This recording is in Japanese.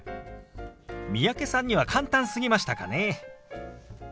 三宅さんには簡単すぎましたかね。